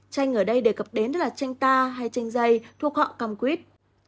chanh ở đây đề cập đến là chanh ta hay chanh dây thuộc họ căm quyết